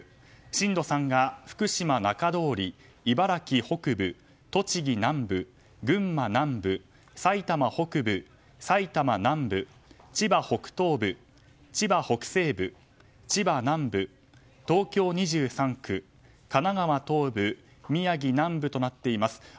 震度３が福島中通り、茨城北部栃木南部、群馬南部埼玉北部、埼玉南部、千葉北東部千葉北西部、千葉南部東京２３区神奈川東部宮城南部となっています。